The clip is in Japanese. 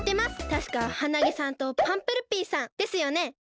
たしかハナゲさんとパンプルピーさんですよね？